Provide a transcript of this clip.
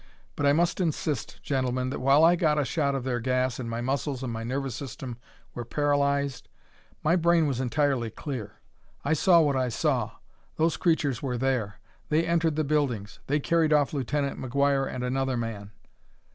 But I must insist, gentlemen, that while I got a shot of their gas and my muscles and my nervous system were paralyzed, my brain was entirely clear. I saw what I saw; those creatures were there; they entered the buildings; they carried off Lieutenant McGuire and another man.